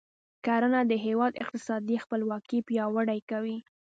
کرنه د هیواد اقتصادي خپلواکي پیاوړې کوي.